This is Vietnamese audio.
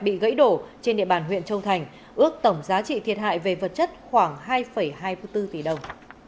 bị gãy đổ trên địa bàn huyện châu thành ước tổng giá trị thiệt hại về vật chất khoảng hai hai mươi bốn tỷ đồng